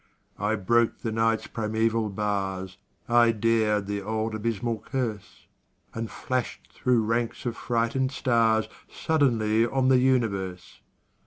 I broke the Night's primeval bars, I dared the old abysmal curse, And flashed through ranks of frightened stars Suddenly on the universe!